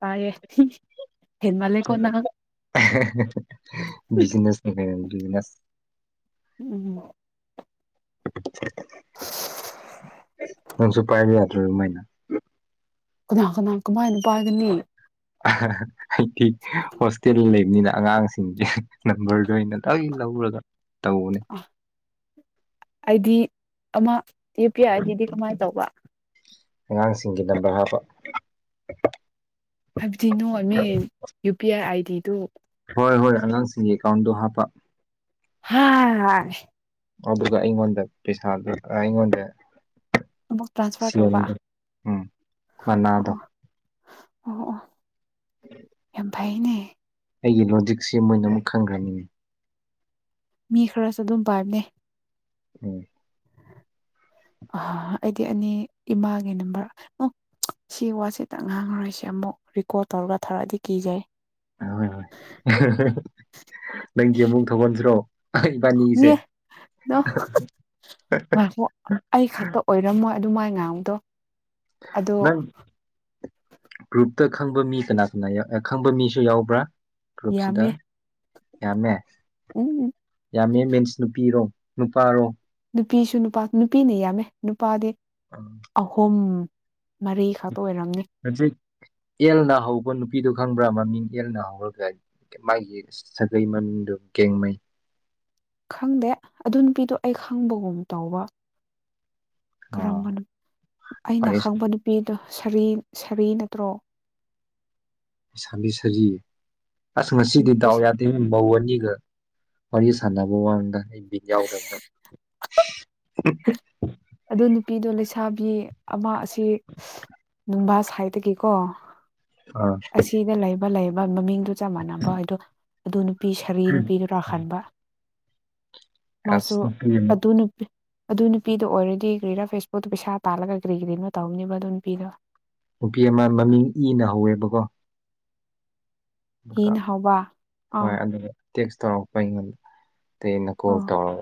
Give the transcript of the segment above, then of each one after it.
ꯇꯥꯏꯌꯦ business business ꯎꯝ ꯅꯪꯁꯨ ꯄꯥꯏꯕ ꯌꯥꯏ ꯀꯔꯝꯃꯥꯏꯅ ꯀꯅꯥ ꯀꯅꯥ ꯀꯃꯥꯏꯅ ꯄꯥꯏꯒꯅꯤ ꯑ ꯍꯥ ꯍꯥ ꯑꯩꯗꯤ ꯍꯣꯁꯇꯦꯜ ꯂꯩ ꯂꯩꯕꯅꯤꯅ ꯑꯉꯥꯡꯁꯤꯡꯒꯤ ꯅꯝꯕꯔꯗꯣ ꯑꯩꯅ ꯂꯣꯏ ꯂꯧꯔꯒ ꯇꯧꯕꯅꯦ ꯑꯥ ꯑꯩꯗꯤ ꯑꯃ ꯌꯨ ꯄꯤ ꯑꯥꯏ ꯑꯥꯏꯒꯤꯗꯤ ꯀꯃꯥꯏꯅ ꯇꯧꯕ ꯑꯉꯥꯡꯁꯤꯡꯒꯤ ꯅꯝꯕꯔ ꯍꯥꯞꯄ ꯍꯥꯏꯕꯗꯤ ꯅꯣ ꯃꯤ ꯌꯨ ꯄꯤ ꯑꯥꯏ ꯗꯤꯗꯣ ꯍꯣꯏ ꯍꯣꯏ ꯑꯉꯥꯡꯁꯤꯡꯒꯤ ꯑꯦꯀꯥꯎꯟꯗꯣ ꯍꯥꯞꯄ ꯍꯥ ꯑꯗꯨꯒ ꯑꯩꯉꯣꯟꯗ ꯄꯩꯁꯥꯗꯨ ꯑꯩꯉꯣꯟꯗ ꯑꯃꯨꯛ ꯇ꯭ꯔꯥꯟꯁꯐꯔ ꯇꯧꯕ ꯁꯦꯜꯗꯣ ꯎꯝ ꯃꯅꯥꯗꯣ ꯑꯣ ꯑꯣ ꯑꯣ ꯌꯥꯝ ꯐꯩꯅꯦ ꯑꯩꯒꯤ ꯂꯣꯖꯤꯛꯁꯦ ꯃꯣꯏꯅ ꯑꯃꯨꯛ ꯈꯪꯈ꯭ꯔꯅꯤꯡꯉꯤ ꯃꯤ ꯈꯔꯁꯨ ꯑꯗꯨꯝ ꯄꯥꯝꯅꯦ ꯎꯝ ꯑ ꯑꯩꯗꯤ ꯑꯅꯤ ꯏꯃꯥꯒꯤ ꯅꯝꯕꯔ ꯁꯤ ꯋꯥꯁꯤꯗ ꯉꯥꯡꯉꯔꯣꯏꯁꯤ ꯑꯃꯨꯛ ꯔꯦꯀꯣꯔꯠ ꯇꯧꯔꯒ ꯊꯥꯔꯛꯑꯗꯤ ꯀꯤꯖꯩ ꯍꯣꯏ ꯍꯣꯏ ꯅꯪꯒꯤ ꯑꯃꯨꯛ ꯊꯣꯛꯍꯟꯁꯤꯔꯣ ꯍꯣꯏ ꯏꯕꯅꯤꯒꯤꯁꯦ ꯃꯥ ꯑꯩ ꯈꯛꯇ ꯑꯣꯏꯔꯝꯃꯣꯏ ꯑꯗꯨ ꯃꯥꯏ ꯉꯥꯡꯗꯣ ꯑꯗꯣ ꯅꯪ ꯒ꯭ꯔꯨꯞꯇ ꯈꯪꯕ ꯃꯤ ꯀꯅꯥ ꯀꯅꯥ ꯈꯪꯕ ꯃꯤꯁꯨ ꯌꯥꯎꯕ꯭ꯔꯥ ꯒ꯭ꯔꯨꯞꯁꯤꯗ ꯌꯥꯝꯃꯦ ꯌꯥꯝꯃꯦ ꯎꯝ ꯌꯥꯝꯃꯦ ꯃꯤꯟꯁ ꯅꯨꯄꯤꯔꯣ ꯅꯨꯄꯥꯔꯣ ꯅꯨꯄꯤꯁꯨ ꯅꯨꯄꯥ ꯅꯨꯄꯤꯅ ꯌꯥꯝꯃꯦ ꯅꯨꯄꯥꯗꯤ ꯑꯍꯨꯝ ꯃꯔꯤꯈꯛ ꯑꯣꯏꯔꯝꯅꯤ ꯍꯧꯖꯤꯛ ꯑꯦꯜꯅ ꯍꯧꯕ ꯅꯨꯄꯤꯗꯣ ꯈꯪꯕ꯭ꯔꯥ ꯃꯃꯤꯡ ꯑꯦꯜꯅ ꯍꯧꯔꯒ ꯃꯥꯒꯤ ꯁꯥꯒꯩ ꯃꯃꯤꯡ ꯑꯗꯣ [unintelligible] ꯈꯪꯗꯦ ꯑꯗꯨ ꯅꯨꯄꯤꯗꯣ ꯑꯩ ꯈꯪꯕꯒꯨꯝ ꯇꯧꯕ ꯀꯔꯝꯕꯅꯣ ꯑꯩꯅ ꯋꯥꯔꯤ ꯈꯪꯕ ꯅꯨꯄꯤꯗꯣ ꯁꯥꯔꯤ ꯁꯥꯔꯤ ꯅꯠꯇ꯭ꯔꯣ ꯁꯥꯕꯤ ꯁꯥꯕꯤ ꯑꯁ ꯉꯁꯤꯗꯤ ꯗꯥꯎ ꯌꯥꯗꯦ ꯃꯧ ꯑꯅꯤ ꯋꯥꯔꯤꯒꯤ ꯁꯥꯟꯅꯕ ꯋꯥꯅꯤꯗ ꯑꯩ ꯕꯤꯠ ꯌꯥꯎꯗ [inaudible] ꯑꯗꯨ ꯅꯨꯄꯤꯗꯣ ꯂꯩꯁꯥꯕꯤ ꯑꯃ ꯑꯁꯤ ꯅꯨꯡꯕꯥ ꯁꯥꯏꯠꯇꯒꯤꯀꯣ ꯑꯥ ꯑꯁꯤꯗ ꯂꯩꯕ ꯂꯩꯕ ꯃꯃꯤꯡꯗꯣ ꯆꯞ ꯃꯥꯟꯅꯕ ꯍꯥꯏꯗꯣ ꯑꯗꯨ ꯅꯨ ꯅꯨꯄꯤ ꯁꯥꯔꯤ ꯅꯨꯄꯤꯗꯨꯅ ꯍꯟꯕ ꯑꯁ ꯃꯥꯁꯨ ꯅꯨꯄꯤ ꯑꯃ ꯑꯗꯨ ꯅꯨꯄꯤ ꯑꯗꯨ ꯅꯨꯄꯤꯗꯣ ꯑꯣꯏꯔꯗꯤ ꯀꯒ꯭ꯔꯤꯔꯥ ꯐꯦꯁꯕꯨꯛꯇ ꯄꯩꯁꯥ ꯇꯥꯜꯂꯒ ꯀ꯭ꯔꯤ ꯀꯔꯤꯅꯣ ꯇꯧꯕꯅꯦꯕ ꯑꯗꯨ ꯅꯨꯄꯤꯗꯣ ꯅꯨꯄꯤ ꯑꯃ ꯃꯃꯤꯡ ꯏꯅ ꯍꯧꯋꯦꯕꯀꯣ ꯍꯤꯅ ꯍꯧꯕ ꯑꯥ ꯍꯣꯏ ꯑꯗꯨꯒ ꯇꯦꯛꯁ ꯇꯧꯔꯛꯄ ꯑꯩꯉꯣꯟꯗ ꯑꯥ [unintelligible]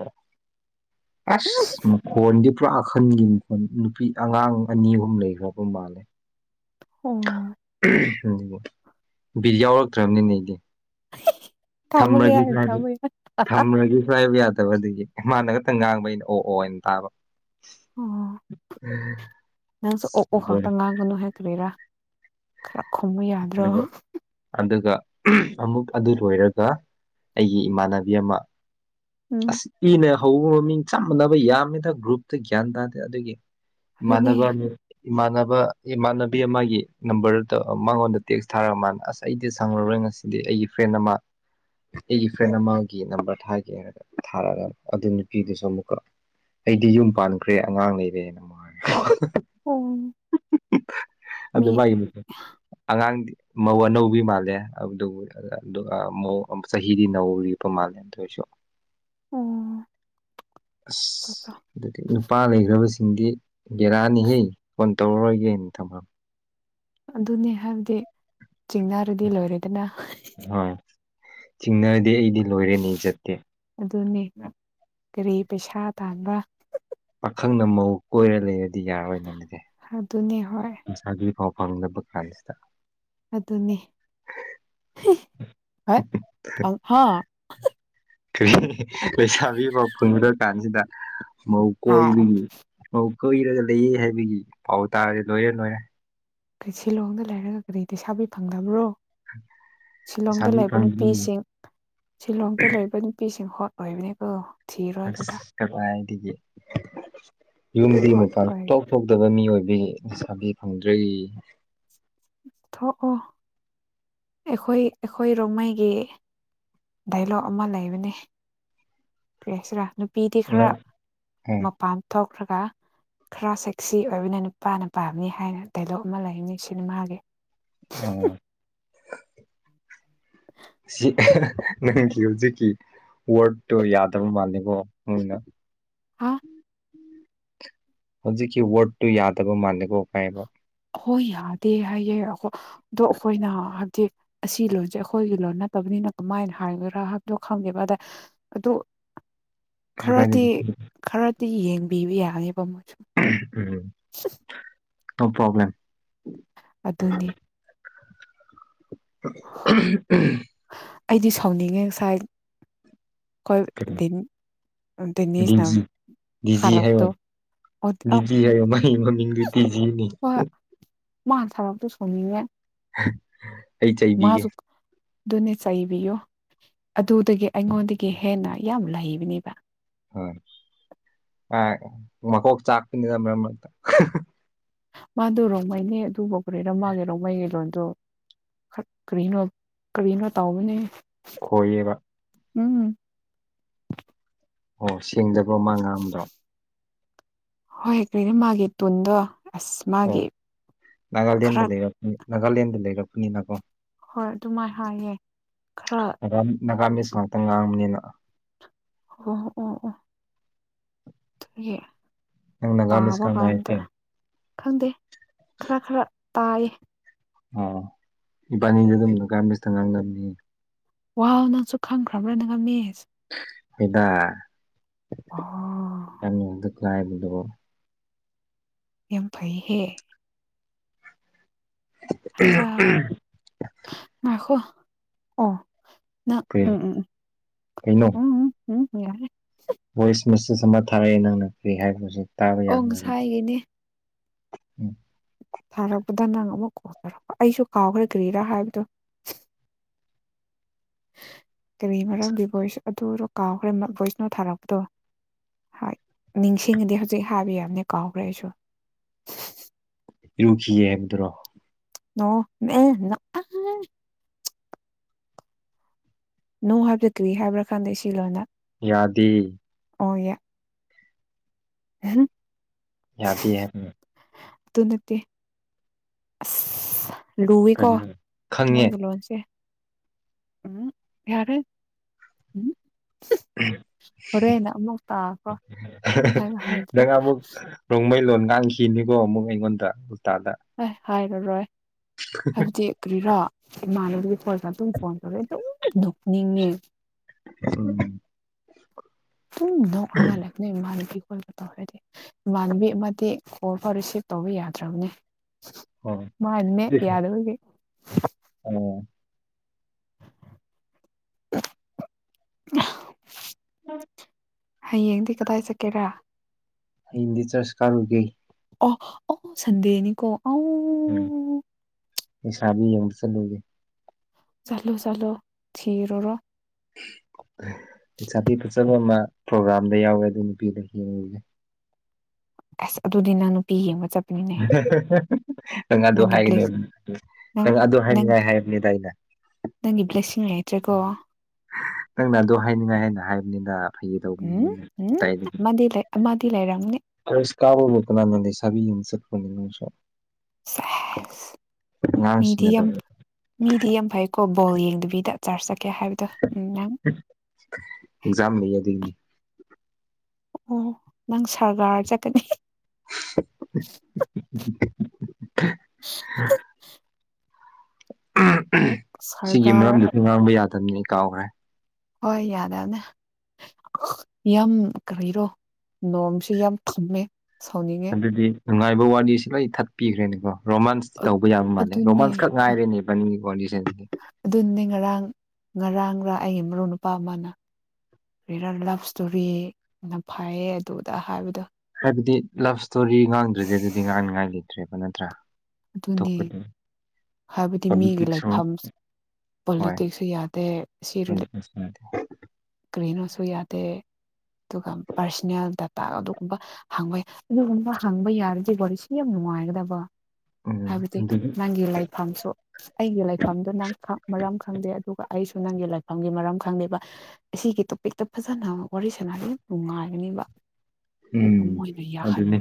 ꯑꯁ ꯃꯈꯣꯟꯗꯤ ꯄꯨꯔꯥ ꯑꯍꯟꯒꯤ ꯃꯈꯣꯟ ꯅꯨꯄꯤ ꯑꯉꯥꯡ ꯑꯅꯤ ꯑꯍꯨꯝ ꯂꯩꯈ꯭ꯔꯕ ꯃꯥꯜꯂꯦ ꯑꯣ ꯑꯗꯨ ꯕꯤꯠ ꯌꯥꯎꯔꯛꯇ꯭ꯔꯕꯅꯤꯅꯦ ꯑꯩꯗꯤ ꯊꯝꯃꯒꯦ ꯊꯝꯔꯒꯦ ꯁꯨ ꯍꯥꯏꯅ ꯍꯥꯏꯗꯦ ꯊꯝꯕ ꯊꯝꯔꯒꯦꯁꯨ ꯍꯥꯏꯕ ꯌꯥꯗꯦ [unintelligible] ꯃꯥꯅ ꯈꯛꯇꯪ ꯉꯥꯡꯕ ꯑꯩꯅ ꯑꯣꯑꯣꯅ ꯇꯥꯕ ꯑꯣ ꯅꯪꯁꯨ ꯑꯣ ꯑꯣ ꯈꯛꯇ ꯉꯥꯡꯒꯅꯨ ꯀꯔꯤꯔ ꯈꯔ ꯈꯨꯝꯃꯨ ꯌꯥꯗ꯭ꯔꯣ ꯑꯗꯨꯒ ꯑꯗꯨꯒ ꯑꯃꯨꯛ ꯑꯗꯨ ꯂꯣꯏꯔꯒ ꯑꯩꯒꯤ ꯏꯃꯥꯟꯅꯕꯤ ꯑꯃ ꯎꯝ ꯑꯁ ꯏꯅ ꯍꯧꯕ ꯃꯃꯤꯡ ꯆꯞ ꯃꯥꯟꯅꯕ ꯌꯥꯝꯃꯤꯗ ꯒ꯭ꯔꯨꯞꯇ ꯒ꯭ꯌꯥꯟ ꯇꯥꯗꯦ ꯑꯗꯨꯒꯤ ꯑꯗꯨꯅꯦ ꯏꯃꯥꯟꯅꯕ ꯏꯃꯥꯟꯅꯕ ꯏꯃꯥꯟꯅꯕꯤ ꯑꯃꯒꯤ ꯅꯝꯕꯔꯗꯨ ꯇꯧ ꯃꯉꯣꯟꯗ ꯇꯦꯛꯁ ꯊꯥꯔꯛ ꯃꯥꯅ ꯑꯁ ꯑꯩꯗꯤ ꯁꯪꯉꯔꯣꯏ ꯉꯁꯤꯗꯤ ꯑꯩꯒꯤ ꯐ꯭ꯔꯦꯟ ꯑꯃ ꯑꯩꯒꯤ ꯐ꯭ꯔꯦꯟ ꯑꯃꯒꯤ ꯅꯝꯕꯔ ꯊꯥꯒꯦ ꯍꯥꯏꯔꯒ ꯊꯥꯔꯛꯑꯒ ꯑꯗꯨ ꯅꯨꯄꯤꯗꯨꯁꯨ ꯑꯃꯨꯛꯀ ꯑꯩꯗꯤ ꯌꯨꯝ ꯄꯥꯟꯈ꯭ꯔꯦ ꯑꯉꯥꯡ ꯂꯩꯔꯦ ꯑꯃꯨꯛ ꯍꯥꯏ ꯎꯝ ꯑꯗꯨ ꯃꯤ ꯃꯥꯒꯤ ꯑꯉꯥꯡꯗꯤ ꯃꯧ ꯑꯅꯧꯕꯤ ꯃꯥꯜꯂꯦ ꯑꯗꯨ ꯑꯗꯨꯒ ꯆꯍꯤꯗꯤ ꯅꯧꯔꯤ ꯃꯥꯜꯂꯦ ꯗꯣꯏ ꯑꯣꯏꯁꯨ ꯑꯁ ꯑꯗꯨꯗꯤ ꯅꯨꯄꯥ ꯂꯩꯈ꯭ꯔꯕꯁꯤ ꯗꯤ ꯕꯦꯔꯅꯤꯍꯦ ꯐꯣꯟ ꯇꯧꯔꯛꯔꯣꯏꯒꯦꯅ ꯊꯝꯃ ꯑꯗꯨꯅꯦ ꯍꯥꯏꯕꯗꯤ ꯆꯤꯡꯅꯥꯔꯗꯤ ꯂꯣꯏꯔꯣꯏꯗꯅ ꯍꯣꯏ ꯆꯤꯡꯅꯔꯗꯤ ꯑꯩꯗꯤ ꯂꯣꯏꯔꯦꯅꯦ ꯏꯖꯠꯇꯤ ꯑꯗꯨꯅꯤ ꯀꯔꯤ ꯄꯩꯁꯥ ꯇꯥꯟꯕ ꯄꯥꯈꯪꯅ ꯃꯧ ꯀꯣꯏꯔ ꯂꯩꯔꯗꯤ ꯌꯥꯔꯣꯏꯅ ꯑꯗꯨꯗꯤ ꯑꯗꯨꯅꯤ ꯍꯣꯏ ꯂꯩꯁꯥꯕꯤ ꯄꯥꯎ ꯐꯪꯗꯕ ꯀꯥꯟꯁꯤꯗ ꯑꯗꯨꯅꯤ ꯍꯤ [unintelligible] ꯀꯔꯤ ꯂꯩꯩꯁꯥꯕꯤ ꯑꯃ ꯐꯪꯗꯧꯔ ꯀꯥꯟꯁꯤꯗ ꯃꯧ ꯍꯥꯏ ꯀꯣꯏꯕꯒꯤ ꯃꯧ ꯀꯣꯏꯔꯒ ꯂꯩꯌꯦ ꯍꯥꯏꯕꯒꯤ ꯄꯥꯎ ꯇꯥꯔꯗꯤ ꯂꯣꯏꯔꯦ ꯂꯣꯏꯔꯦ ꯀꯩ ꯁꯤꯂꯣꯡꯗ ꯂꯩꯔꯒ ꯀꯔꯤ ꯂꯩꯩꯁꯥꯕꯤ ꯐꯪꯗꯕ꯭ꯔꯣ ꯁꯤꯂꯣꯡꯗ ꯂꯩꯁꯥꯕꯤ ꯂꯩꯕ ꯐꯪꯗ꯭ꯔꯤ ꯅꯨꯄꯤꯁꯤꯡ ꯁꯤꯂꯣꯡꯗ ꯂꯩꯕ ꯅꯨꯄꯤꯁꯤꯡ ꯍꯣ ꯑꯣꯏꯕꯤꯅꯦ ꯀꯣ ꯑꯁ ꯀꯔꯥꯏꯗꯒꯤ ꯌꯨꯝꯗꯒꯤ ꯍꯣꯠ ꯃꯄꯥꯟ ꯁꯨꯡ ꯑꯣꯏ ꯊꯣꯛ ꯊꯣꯛꯇꯕ ꯃꯤ ꯑꯣꯏꯕ ꯂꯩꯁꯥꯕꯤ ꯐꯪꯗ꯭ꯔꯦ ꯊꯣꯛꯑꯣ ꯑꯈꯣꯏ ꯑꯈꯣꯏ ꯔꯨꯝꯃꯩꯒꯤ ꯗꯥꯏꯂꯣꯛ ꯑꯃ ꯂꯩꯕꯅꯦ ꯀꯩ ꯍꯥꯏꯁꯤꯔ ꯅꯨꯄꯤꯗꯤ ꯈꯔ ꯅꯪ ꯎꯝ ꯃꯄꯥꯟ ꯊꯣꯛꯈ꯭ꯔꯒ ꯈꯔ ꯁꯦꯛꯁꯤ ꯑꯣꯏꯕꯅ ꯅꯨꯄꯥꯅ ꯄꯥꯝꯅꯤ ꯍꯥꯏꯅ ꯗꯥꯏꯂꯣꯛ ꯑꯃ ꯂꯩꯕꯅꯤ ꯁꯤꯅꯤꯃꯒꯤ ꯑꯥ ꯅꯪꯒꯤ ꯍꯧꯖꯤꯛꯀꯤ ꯋꯥꯔꯠꯗꯇꯣ ꯌꯥꯗꯕ ꯃꯥꯜꯂꯦꯀꯣꯅ ꯑ ꯍꯧꯖꯤꯛꯀꯤ ꯋꯥꯔꯠꯗꯇꯣ ꯌꯥꯗꯕ ꯃꯥꯜꯂꯦꯀꯣ ꯀꯥꯏꯕ ꯍꯣꯏ ꯌꯥꯗꯦ ꯍꯥꯏꯌꯦ ꯑꯣ ꯑꯗꯣ ꯑꯈꯣꯏꯅ ꯍꯥꯏꯕꯗꯤ ꯑꯁꯤ ꯂꯣꯟꯁꯦ ꯑꯈꯣꯏꯒꯤ ꯂꯣꯟ ꯅꯠꯇꯕꯅꯤ ꯃꯤꯅꯀꯃꯥꯏꯅ ꯍꯥꯏꯒꯗꯔꯥ ꯍꯥꯏꯕꯗꯣ ꯈꯪꯗꯦꯕ ꯑꯗ ꯑꯗꯨ [inaudible] ꯀꯥꯏꯗꯦ ꯈꯔꯗꯤ ꯈꯔꯗꯤ ꯌꯦꯡꯕꯤꯕ ꯌꯥꯕꯅꯦꯕ ꯃꯣꯏ ꯎꯝ ꯅꯣ ꯄ꯭ꯔꯣꯕꯂꯦꯝ ꯑꯗꯨꯅꯤ [unintelligible] ꯑꯩꯗꯤ ꯁꯥꯎꯅꯤꯡꯉꯦ ꯉꯁꯥꯏ ꯑꯈꯣꯏ ꯀꯩꯅꯣ ꯗꯤꯟ ꯗꯤꯅꯦꯁꯅ ꯊꯥꯔꯛꯄꯗꯣ ꯕꯤꯖꯤ ꯍꯥꯏ ꯍꯣꯏ ꯑꯥꯏ ꯃꯃꯤꯡꯗꯣ [unintelligible] ꯃꯥ ꯊꯝꯃꯛꯄꯗꯣ ꯁꯥꯎꯅꯤꯡꯉꯦ ꯑꯩ ꯆꯩꯕꯤꯒꯦ ꯑꯗꯨꯅꯦ ꯆꯩꯕꯤꯌꯣ ꯑꯗꯨꯗꯒꯤ ꯑꯩꯉꯣꯟꯗꯒꯤ ꯍꯦꯟꯅ ꯌꯥꯝ ꯂꯩꯕꯅꯦꯕ ꯍꯣꯏ ꯀꯥꯢ ꯃꯀꯣꯛ ꯆꯥꯛꯄꯅꯤꯅ ꯃꯔꯝ ꯃꯔꯛꯇ ꯃꯥꯗꯣ ꯔꯣꯡꯃꯩꯅꯦ ꯑꯗꯨꯕꯨ ꯀꯔꯤꯔ ꯃꯥꯒꯤ ꯔꯣꯡꯃꯩꯒꯤ ꯂꯣꯟꯗꯣ ꯍꯠ ꯀꯔꯤꯅꯣ ꯀꯔꯤꯅꯣ ꯇꯥꯎꯕꯅꯦꯍꯦ ꯈꯣꯢꯌꯦꯕ ꯎꯝ ꯑꯣ ꯁꯦꯡꯗꯕ꯭ꯔꯣ ꯃꯥ ꯉꯥꯡꯕꯗꯣ ꯍꯣꯏ ꯀꯔꯤꯅꯣ ꯃꯥꯒꯤ ꯇꯣꯟꯗꯣ ꯑꯣ ꯅꯥꯒꯥꯂꯦꯟꯗ ꯈꯔ ꯂꯩꯔꯛꯄꯅꯤ ꯅꯥꯒꯥꯂꯦꯟꯗ ꯂꯩꯔꯛꯄꯅꯤꯅꯀꯣ ꯍꯣꯏ ꯑꯗꯨꯃꯥꯏꯅ ꯍꯥꯏꯌꯦ ꯈꯔ ꯅꯒꯥꯝ ꯅꯒꯥꯃꯤꯁ ꯉꯥꯛꯇ ꯉꯥꯡꯕꯅꯤꯅ ꯑꯥ ꯍꯣꯏ ꯍꯣꯏ ꯑꯥ ꯑꯥ ꯒꯤ ꯅꯪ ꯅꯥꯒꯥꯃꯤꯁ ꯇꯥꯕ ꯉꯥꯡꯕ ꯀꯥꯟꯗ ꯍꯩꯇꯦ ꯈꯪꯗꯦ ꯈꯔ ꯈꯔ ꯇꯥꯏꯌꯦ ꯑꯣ ꯏꯕꯥꯅꯤꯗꯣ ꯑꯗꯨꯝ ꯅꯒꯥꯃꯤꯁꯇ ꯉꯥꯡꯅꯕꯅꯤ ꯋꯥ ꯅꯪꯁꯨ ꯈꯪꯈ꯭ꯔꯕ꯭ꯔꯥ ꯅꯉꯥꯃꯤꯁ ꯍꯣꯏꯗ ꯑꯣ ꯅꯪ ꯃꯤꯡꯗ ꯀꯥꯢꯕꯗꯨꯕꯣ ꯌꯥꯝ ꯐꯩꯍꯦ ꯑꯆꯥ ꯉꯥꯢꯈꯣ ꯑꯣ ꯅꯞ ꯀꯩ ꯎꯝ ꯎꯝ ꯀꯩꯅꯣ ꯎꯝ ꯎꯝ ꯎꯝ ꯌꯥꯔꯦ ꯚꯣꯏꯁ ꯃꯦꯁꯦꯁ ꯑꯃ ꯊꯥꯔꯛꯑꯦ ꯅꯪꯅ ꯀꯔꯤ ꯍꯥꯏꯕ꯭ꯔꯁꯦ ꯑꯣ ꯉꯁꯥꯏꯒꯤꯅꯦ ꯎꯝ ꯊꯥꯔꯛꯄꯗ ꯅꯪ ꯑꯃꯨꯛ ꯀꯣꯜ ꯇꯧꯔꯛꯄ ꯑꯩꯁꯨ ꯀꯥꯎꯈ꯭ꯔꯦ ꯀ꯭ꯔꯤꯔꯥ ꯍꯥꯏꯕꯗꯣ ꯀꯔꯤ ꯃꯔꯝꯒꯤ ꯚꯣꯏꯁ ꯑꯗꯨꯔꯣ ꯀꯥꯎꯈ꯭ꯔꯦ ꯚꯣꯏꯁꯅꯣ ꯊꯥꯔꯛꯄꯗꯣ ꯍꯣꯏ ꯅꯤꯡꯁꯤꯡꯉꯗꯤ ꯍꯧꯖꯤꯛ ꯍꯥꯏꯕ ꯌꯥꯕꯅꯦ ꯀꯥꯎꯈ꯭ꯔꯦ ꯑꯩꯁꯨ ꯏꯔꯨꯈꯤꯌꯦ ꯍꯥꯏꯕꯗꯨꯔꯣ ꯅꯣ ꯑꯦ ꯅꯛ ꯑ ꯍ ꯅꯣ ꯍꯥꯏꯕꯗ ꯀ꯭ꯔꯤ ꯍꯥꯏꯕ꯭ꯔꯥ ꯈꯪꯗꯦ ꯁꯤ ꯂꯣꯟꯅ ꯌꯥꯗꯦ ꯑꯣꯢꯌꯦ ꯑꯍꯥ ꯌꯥꯗꯦ ꯍꯥꯢꯕ ꯑꯗꯨ ꯅꯠꯇꯦ ꯑꯁ ꯂꯨꯌꯦꯀꯣ ꯀꯩꯅꯣ ꯈꯪꯉꯦ ꯃꯣꯏꯒꯤ ꯂꯣꯟꯁꯦ ꯎꯝ ꯌꯥꯔꯦ ꯎꯝ ꯎ ꯍꯣꯔꯦꯟꯅ ꯑꯃꯨꯛ ꯇꯥꯈ꯭ꯔꯣ ꯍ ꯍꯥꯏꯕ ꯍꯩꯇ꯭ꯔꯦ ꯅꯉ ꯑꯃꯨꯛ ꯔꯣꯡꯃꯩ ꯂꯣꯟ ꯉꯥꯡꯈꯤꯅꯤꯀꯣ ꯑꯃꯨꯛ ꯑꯩꯉꯣꯟꯗ ꯎꯜꯇꯥꯗ ꯑꯦ ꯍꯥꯏꯔꯔꯣꯏ ꯍꯥꯏꯕꯗꯤ ꯀ꯭ꯔꯤꯔꯥ ꯏꯃꯥꯟꯅꯕꯤ ꯐꯣꯟꯁ ꯑꯗꯨꯝ ꯐꯣꯟ ꯇꯧꯔꯦ ꯑꯗꯨꯝ ꯨꯅꯣꯛꯅꯤꯡꯉꯦ ꯎꯝ ꯨꯍꯪ ꯅꯣꯛꯔꯒ ꯍꯜꯂꯛꯀꯅꯤ ꯃꯦ ꯃꯥꯥꯟ ꯈꯩ ꯑꯈꯣꯢꯑꯣꯢꯅ ꯇꯧꯔꯗꯤ ꯏꯃꯥꯟꯕꯤ ꯑꯃꯗꯤ ꯀꯣꯜ ꯐꯥꯎ ꯔꯤꯁꯤꯞ ꯇꯧꯕ ꯌꯥꯗ꯭ꯔꯕꯅꯦ ꯑꯣ ꯃꯥꯢ ꯅꯦꯠ ꯌꯥꯗꯕꯒꯤ ꯑꯣ [unintelligible] ꯍꯌꯦꯡꯗꯤ ꯀꯗꯥꯏ ꯆꯠꯀꯦꯔꯥ ꯍꯌꯦꯡꯗꯤ ꯆꯔꯁ ꯀꯥꯔꯨꯒꯦ ꯑꯣ ꯑꯣ ꯁꯟꯗꯦꯅꯤꯀꯣ ꯑꯧ ꯁꯟꯗꯦꯅꯤ ꯆꯂꯣ ꯆꯂꯣ ꯊꯤꯔꯔꯨꯔꯣ [inaudible] ꯄꯁꯥꯕꯤ ꯐꯆꯕ ꯑꯃ ꯄ꯭ꯔꯣꯒ꯭ꯔꯥꯝꯗ ꯌꯥꯎꯋꯦ ꯑꯗꯨ ꯅꯨꯄꯤꯗ ꯌꯦꯡꯉꯨꯒꯦ ꯑꯁ ꯑꯗꯨꯗꯤꯅ ꯅꯨꯄꯤ ꯌꯦꯡꯕ ꯆꯠ|| [unintelligible] ꯅꯪ ꯑꯗꯨ ꯅꯪꯒꯤ ꯕ꯭ꯂꯦꯁ ꯍꯥꯏꯒꯅꯦꯕ ꯅꯪ ꯑꯗꯨ ꯍꯥꯏꯅꯤꯡꯉꯥꯏ ꯍꯥꯏꯕꯅꯤꯗ ꯑꯩꯅ ꯅꯪꯒꯤ ꯕ꯭ꯂꯦꯁꯤꯡ ꯂꯩꯇ꯭ꯔꯦꯀꯣ ꯅꯪꯅ ꯑꯗꯨ ꯍꯥꯏꯅꯤꯡꯉꯥꯏ ꯍꯥꯏꯅ ꯍꯥꯏꯕ ꯎꯝ ꯎꯝ ꯑꯃꯗꯤ ꯂꯩ ꯑꯃꯗꯤꯗꯤ ꯂꯩꯔꯝꯅꯤ ꯀꯁ ꯀꯥꯕ ꯑꯣꯏꯠꯇ ꯅꯥꯟ ꯁꯕꯤꯁꯁꯦ ꯁꯦꯁ ꯃꯤꯗꯤ ꯌꯥꯝ ꯃꯤꯗꯤ ꯌꯥꯝ ꯐꯩꯀꯣ ꯕꯣꯜ ꯌꯦꯡꯗꯕꯤꯗ ꯆꯥꯔꯖ ꯆꯠꯀꯦ ꯍꯥꯏꯕꯗꯣ ꯎꯝ ꯅꯪ ꯑꯦꯛꯖꯥꯝ ꯂꯩ ꯑꯗꯨꯅꯤ ꯑꯣ ꯅꯪ ꯁꯔꯒꯥꯔ ꯆꯠꯀꯅꯤ [unintelligible] ꯑ ꯑꯍꯝ ꯁꯤꯒꯤ ꯁꯔꯀꯥꯔ ꯃꯔꯝꯗꯨꯁꯨ ꯉꯥꯡꯕ ꯌꯥꯗꯕꯅꯤ ꯑꯩ ꯀꯥꯎꯈ꯭ꯔꯦ ꯍꯣꯏ ꯌꯥꯗꯅꯦ ꯌꯥꯝ ꯀꯔꯤꯔꯣ ꯅꯣꯡꯃꯁꯤꯦ ꯌꯥꯝ ꯊꯝꯃꯦ ꯁꯥꯎꯅꯤꯡꯉꯦ ꯑꯗꯨꯗꯤ ꯅꯨꯡꯉꯥꯏꯕ ꯋꯥꯔꯤꯁꯤ ꯂꯣꯏ ꯊꯠꯄꯤꯈ꯭ꯔꯦꯅꯦꯀꯣ ꯔꯣꯃꯥꯟꯁꯇꯤ ꯇꯧꯕ ꯌꯥꯕ ꯃꯥꯜꯂꯦ ꯔꯣꯃꯥꯟꯁ ꯑꯗꯨꯅꯦ ꯈꯛ ꯉꯥꯏꯔꯦꯅꯦꯕꯅꯤ ꯑꯗꯨꯅꯦ ꯉꯔꯥꯡ ꯉꯔꯥꯡꯒꯥ ꯑꯩꯒꯤ ꯃꯔꯨꯞ ꯅꯨꯄꯥ ꯑꯃꯅ ꯔꯤꯔꯔ ꯂꯞ ꯏꯁꯇꯣꯔꯤꯅ ꯐꯩꯌꯦ ꯑꯗꯨꯗ ꯍꯥꯏꯕꯗꯣ ꯑꯗꯨꯗꯤ ꯂꯞ ꯏꯁꯇꯣꯔꯤ ꯉꯥꯡꯗ꯭ꯔꯗꯤ ꯑꯗꯨꯗꯤ ꯉꯥꯡꯅꯤꯉꯥꯏ ꯂꯩꯇ꯭ꯔꯦꯕ ꯅꯠꯇ꯭ꯔꯥ ꯑꯗꯨꯅꯤ [unintelligible] ꯍꯥꯏꯕꯗꯤ ꯃꯤꯒꯤ ꯄꯣꯂꯤꯇꯤꯛꯁꯁꯨ ꯂꯩꯐꯝ ꯍꯣꯏ ꯄꯣꯂꯤꯇꯤꯛꯁꯁꯨ ꯌꯥꯗꯦ ꯁꯤꯔꯤ ꯍꯣꯏ ꯁꯥꯗꯦ ꯀꯔꯤꯅꯣ ꯁꯨ ꯌꯗꯦ ꯑꯗꯨꯒ ꯄꯥꯔꯁꯣꯅꯦꯜ ꯗꯇꯥ ꯑꯗꯨꯒꯨꯝꯕ ꯍꯥꯡꯕ ꯌꯥꯏ ꯑꯗꯨꯒꯨꯝꯕ ꯍꯥꯡꯕ ꯌꯥꯔꯗꯤ ꯁꯤ ꯌꯥꯝ ꯃꯥꯏꯒꯗ ꯄ ꯎꯝ ꯍꯥꯏꯕꯗꯤ ꯑꯗꯨꯗꯤ ꯅꯪꯒꯤ ꯂꯩꯥꯏꯐꯝꯁꯨ ꯑꯩꯒꯤ ꯂꯩꯥꯏꯐꯝꯗꯨꯣ ꯅꯪ ꯃꯔꯝ ꯈꯪꯗꯦ ꯑꯗꯨꯒ ꯑꯩꯁꯨ ꯅꯪꯒꯤ ꯂꯥꯏꯐꯝꯒꯤ ꯃꯔꯝ ꯈꯪꯗꯦꯕ ꯑꯁꯤꯒꯤ ꯇꯣꯄꯤꯛꯇ ꯐꯖꯅ ꯋꯥꯔꯤ ꯁꯥꯟꯅꯔꯤ ꯅꯨꯡꯉꯥꯏꯒꯅꯤ [inaudible] ꯎꯝ ꯑꯗꯨꯅꯤ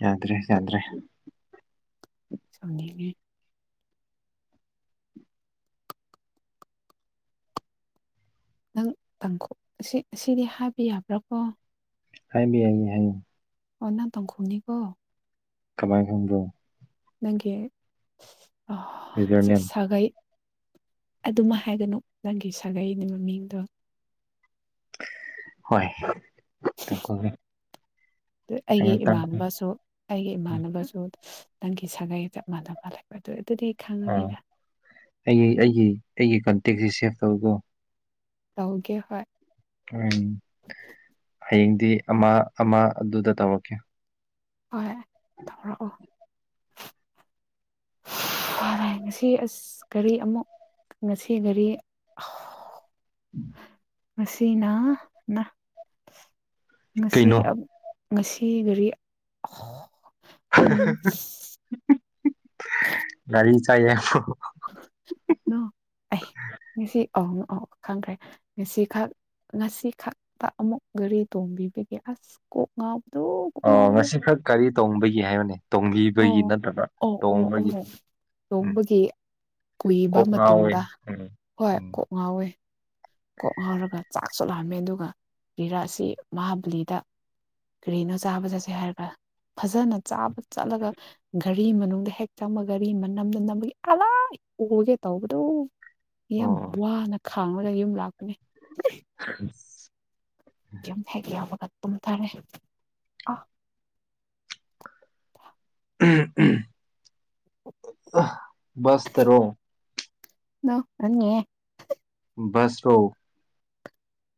ꯌꯥꯗ꯭ꯔꯦ ꯌꯥꯗ꯭ꯔꯦ ꯁꯖꯒꯦ ꯅꯪ ꯇꯥꯡꯀ ꯑꯁꯤꯗꯤ ꯍꯥꯕ ꯌꯥꯕ꯭ꯔꯥꯀꯣ ꯍꯥꯏꯕꯤ [unintelligible] ꯍꯥꯏ ꯍꯥꯏ ꯑꯣꯅꯥ ꯇꯪ ꯈꯨꯅꯤ ꯀꯣ ꯀꯃꯥꯏ ꯈꯗꯣ ꯅꯪꯒꯤ ꯑ ꯌꯨꯖꯔ ꯅꯦꯝ ꯁꯒꯩ ꯑꯗꯨꯃ ꯍꯥꯏꯒꯅꯨ ꯅꯪꯒꯤ ꯁꯥꯒꯩꯅꯤ ꯃꯃꯤꯡꯗꯣ [unintelligible] ꯑꯗꯨ ꯑꯩꯒꯤ ꯇꯥꯡꯈꯨꯜ ꯏꯃꯥꯟꯅꯕꯁꯨ ꯑꯩꯒꯤ ꯏꯃꯥꯟꯅꯕꯁꯨ ꯅꯪꯒꯤ ꯁꯥꯒꯩ ꯆꯞ ꯃꯥꯟꯅꯕ ꯂꯩꯕ ꯑꯗꯨ ꯑꯗꯨꯗꯤ ꯑꯥ ꯈꯪꯉꯅꯤꯅ ꯑꯩꯒꯤ ꯑꯩꯒꯤ ꯑꯩꯒꯤ ꯀꯣꯟꯇꯦꯛꯁꯤ ꯁꯦꯚ ꯇꯧꯔꯀꯣ ꯇꯧꯒꯦ ꯍꯣꯢ ꯎꯝ ꯍꯌꯦꯡꯗꯤ ꯑꯃ ꯑꯃ ꯑꯗꯨꯗ ꯇꯧꯔꯛꯀꯦ ꯍꯣꯏ ꯇꯧꯔꯛꯑꯣ ꯉꯁꯤ ꯑꯁ ꯀꯔꯤ ꯑꯃꯨꯛ ꯉꯁꯤ ꯒꯥꯔꯤ [unintelligible] ꯉꯁꯤꯅ ꯅ ꯉꯁꯤ ꯀꯩꯅꯣ ꯉꯁꯤ ꯒꯥꯔꯤ ꯎꯝ ꯒꯥꯔꯤ ꯆꯥꯏꯌꯦ ꯍꯥꯏꯕꯣ ꯅꯣ ꯑꯩ ꯉꯦꯁꯤ ꯑꯣ ꯑꯣ ꯈꯪꯈ꯭ꯔꯦ ꯉꯦꯁꯤꯈꯛ ꯉꯁꯤ ꯈꯛꯇ ꯑꯃꯨꯛ ꯒꯥꯔꯤ ꯇꯣꯡꯕꯤꯕꯒꯤ ꯑꯁ ꯀꯣꯛ ꯉꯥꯎ ꯑꯣ ꯉꯁꯤ ꯈꯛ ꯒꯔꯤ ꯇꯣꯡꯕꯒꯤ ꯍꯥꯏꯌꯣꯅꯦ ꯇꯣꯡꯕꯤ ꯑꯣ ꯑꯣ ꯑꯣ ꯑꯣ ꯎꯝ ꯇꯣꯡꯕꯒꯤ ꯀꯨꯏꯕ ꯀꯣꯛ ꯉꯥꯎꯋꯦ ꯃꯇꯨꯡꯗ ꯍꯣꯏ ꯎꯝ ꯀꯣꯛ ꯉꯥꯎꯋꯦ ꯀꯣꯛ ꯉꯥꯎꯔꯒ ꯆꯥꯛ ꯁꯨ ꯂꯥꯝꯃꯦ ꯑꯗꯨꯒ ꯀꯔꯤꯔ ꯑꯁꯤ ꯃꯍꯥꯕꯂꯤꯗ ꯀꯔꯤꯅꯣ ꯆꯥꯕ ꯆꯠꯁꯦ ꯍꯥꯏꯒ ꯐꯖꯅ ꯆꯥꯕ ꯆꯠꯂꯒ ꯒꯥꯔꯤ ꯃꯅꯨꯡꯗ ꯍꯦꯛ ꯆꯪꯕ ꯒꯥꯔꯤ ꯃꯅꯝꯗ ꯅꯝꯕꯒꯤ ꯑꯂꯥꯏ ꯑꯣꯒꯦ ꯇꯧꯕꯗꯣ ꯌꯥꯝ ꯎꯝ ꯋꯥꯅ ꯈꯥꯡꯉꯥꯒ ꯌꯨꯝ ꯂꯥꯛꯄꯅꯦ [inaudible] ꯌꯨꯝ ꯍꯦꯛ ꯌꯧꯕꯒ ꯇꯨꯝꯊꯔꯦ ꯑꯥ ꯎꯝ ꯎꯝ ꯕꯁꯇꯔꯣ [unintelligible] ꯕꯁ ꯔꯣ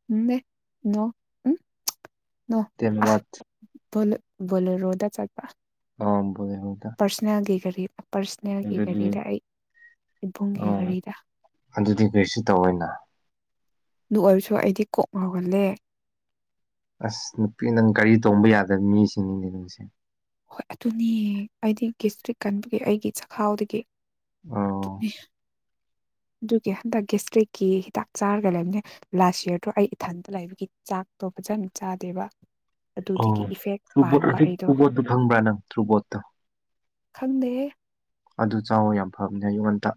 [unintelligible] ꯅꯣ ꯎꯝ ꯅꯣ ꯗꯦꯟ ꯑ ꯍꯋꯥꯠ ꯕꯣꯂꯦꯔꯣꯗ ꯆꯠꯄ ꯑꯥ ꯕꯣꯂꯦꯔꯣꯗ ꯄꯔꯁꯅꯦꯜꯒꯤ ꯒꯥꯔꯤ ꯄꯔꯁꯅꯦꯜꯒꯤ ꯒꯥꯔꯤꯗ ꯑꯩ ꯏꯕꯨꯡꯒꯤ ꯑꯣ ꯒꯥꯔꯤꯗ ꯑꯗꯨꯗꯤ ꯀꯔꯤꯁꯨ ꯇꯧꯑꯣꯏꯅ ꯑꯗꯨ ꯑꯣꯏꯔꯁꯨ ꯑꯩꯗꯤ ꯀꯣꯛ ꯉꯥꯎꯍꯜꯂꯦ ꯑꯁ ꯅꯨꯄꯤ ꯅꯪ ꯒꯥꯔꯤ ꯇꯣꯡꯕ ꯌꯥꯗꯕ ꯃꯤꯁꯤꯡꯅꯤꯅꯦ ꯅꯪꯁꯦ ꯍꯣꯏ ꯑꯗꯨꯅꯦ ꯑꯩꯗꯤ ꯒꯦꯁꯇ꯭ꯔꯤꯛ ꯀꯟꯕꯒꯤ ꯑꯩꯒꯤ ꯆꯈꯥꯎꯗꯒꯤ ꯑꯣ ꯑꯗꯨꯒꯤ ꯍꯟꯗꯛ ꯒꯦꯁꯇ꯭ꯔꯤꯛꯀꯤ ꯍꯤꯗꯥꯛ ꯆꯥꯔꯒ ꯂꯩꯕꯅꯦ ꯂꯥꯁ ꯌꯔꯗꯣ ꯑꯩ ꯏꯊꯟꯇ ꯂꯩꯕꯒꯤ ꯆꯥꯛ ꯑꯇꯣꯞꯄ ꯐꯖꯅ ꯆꯥꯗꯦꯕ ꯑꯣ ꯑꯗꯨꯗꯒꯤ ꯏꯐꯦꯛ ꯇꯨꯕꯣꯠ ꯄꯥꯟꯕ ꯍꯧꯖꯤꯛ ꯑꯩꯗꯣ ꯇ꯭ꯔꯨꯕꯣꯠꯇꯣ ꯐꯪꯕ꯭ꯔꯥ ꯅꯪ ꯇ꯭ꯔꯨꯕꯣꯠꯇꯣ ꯈꯪꯗꯦꯍꯦ ꯑꯗꯨ ꯆꯥꯎꯋꯣ ꯌꯥꯝ ꯐꯕꯅꯦ ꯑꯌꯨꯛ ꯉꯟꯇ